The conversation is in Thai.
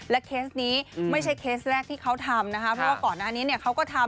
เคสนี้ไม่ใช่เคสแรกที่เขาทำนะคะเพราะว่าก่อนหน้านี้เนี่ยเขาก็ทำ